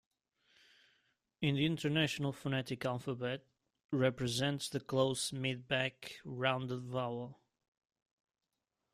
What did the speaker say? In the International Phonetic Alphabet, represents the close-mid back rounded vowel.